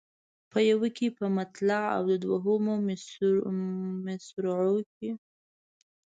په یوه کې په مطلع او دوهمو مصرعو کې یو سېلاب کم.